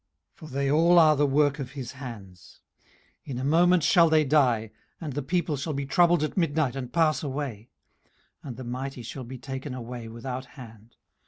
for they all are the work of his hands. 18:034:020 In a moment shall they die, and the people shall be troubled at midnight, and pass away: and the mighty shall be taken away without hand.